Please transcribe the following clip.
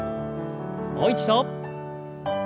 もう一度。